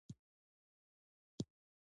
زه کوم براوزر و کاروم